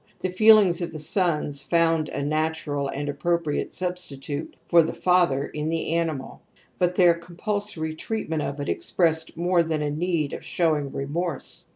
The feelings of the sons found a natiu^al a^nd appropriate substitute for the father in the aniniaL but their compul sory treatment of it expressed more than the need of showing remorse.